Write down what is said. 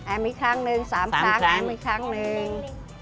แอมอีกครั้งนึง๓ครั้งอีกครั้งนึง